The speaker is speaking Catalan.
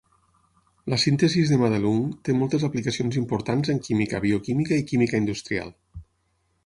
La síntesis de Madelung té moltes aplicacions importants en química, bioquímica i química industrial.